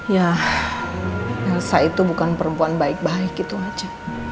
ya yelza itu bukan perempuan baik baik itu aja